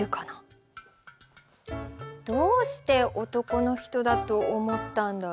どうして男の人だと思ったんだろう？